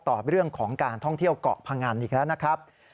ต่อเรื่องของการท่องเที่ยวเกาะพงันอีกแล้วนะครับ